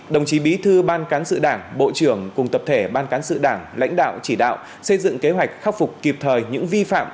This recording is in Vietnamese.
đồng chí bí thư ban cán sự đảng bộ trưởng cùng tập thể ban cán sự đảng lãnh đạo chỉ đạo xây dựng kế hoạch khắc phục kịp thời những vi phạm